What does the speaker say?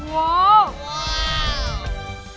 อู้ว